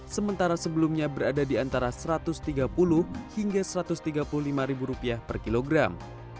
sementara sebelumnya berada di antara satu ratus tiga puluh hingga satu ratus tiga puluh lima ribu rupiah per kilogram